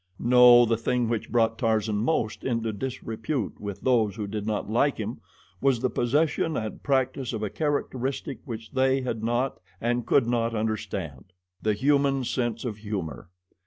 No, the thing which brought Tarzan most into disrepute with those who did not like him, was the possession and practice of a characteristic which they had not and could not understand the human sense of humor.